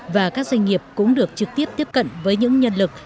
và các doanh nghiệp cũng được trực tiếp tiếp cận với những nhân lực